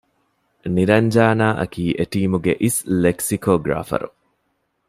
ނިރަންޖަނާ އަކީ އެޓީމުގެ އިސް ލެކްސިކޯގަރާފަރު